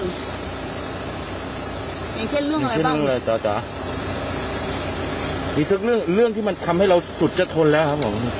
อย่างเช่นเรื่องอะไรเช่นเรื่องอะไรจ๊ะจ๊ะอีกสักเรื่องเรื่องที่มันทำให้เราสุดจะทนแล้วครับผม